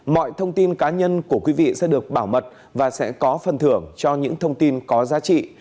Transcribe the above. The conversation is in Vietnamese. mọi thông tin cá nhân của quý vị sẽ được bảo mật và sẽ có phần thưởng cho những thông tin có giá trị